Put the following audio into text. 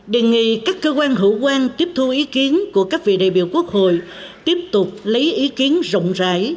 đề nghị các cơ quan hữu quan tiếp thu ý kiến của các vị đại biểu quốc hội tiếp tục lấy ý kiến rộng rãi